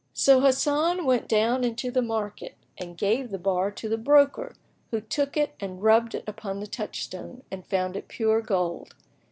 So Hasan went down into the market and gave the bar to the broker, who took it and rubbed it upon the touchstone and found it pure gold.